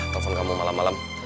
telepon kau malam malam